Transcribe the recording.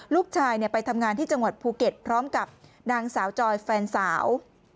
ลูกชายไปทำงานที่จังหวัดภูเก็ตพร้อมกับนางสาวจอยแฟนสาว